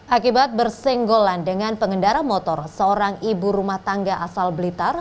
akibat bersenggolan dengan pengendara motor seorang ibu rumah tangga asal blitar